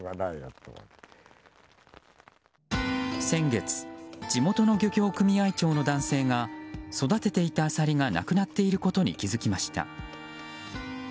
先月、地元の漁協組合長の男性が育てていたアサリがなくなっていることに気づきました。